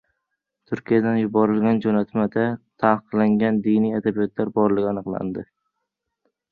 Turkiyadan yuborilgan jo‘natmada taqiqlangan diniy adabiyotlar borligi aniqlandi